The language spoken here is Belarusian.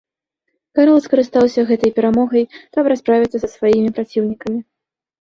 Карл скарыстаўся гэтай перамогай, каб расправіцца са сваімі праціўнікамі.